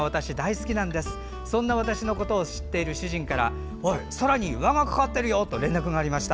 そんな私のことを知っている主人からおい、空に輪がかかってるよ！と連絡がありました。